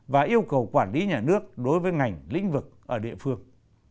và yêu cầu quản lý nhà nước đối với ngành lĩnh vực ở địa phương